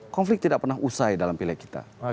konflik tidak pernah usai dalam pileg kita